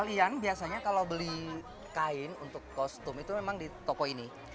kalian biasanya kalau beli kain untuk kostum itu memang di toko ini